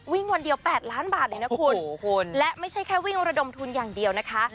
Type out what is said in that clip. วันเดียว๘ล้านบาทเลยนะคุณและไม่ใช่แค่วิ่งระดมทุนอย่างเดียวนะคะ